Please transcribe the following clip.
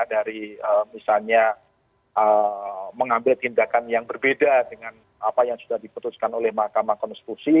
dari misalnya mengambil tindakan yang berbeda dengan apa yang sudah diputuskan oleh mahkamah konstitusi